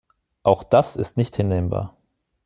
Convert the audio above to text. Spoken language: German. Auch das ist nicht hinnehmbar.